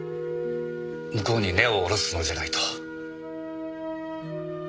向こうに根を下ろすつもりじゃないと。